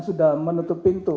sudah menutup pintu